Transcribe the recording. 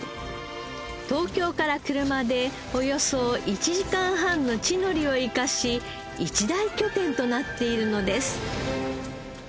東京から車でおよそ１時間半の地の利を生かし一大拠点となっているのです。